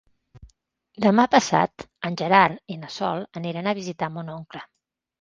Demà passat en Gerard i na Sol aniran a visitar mon oncle.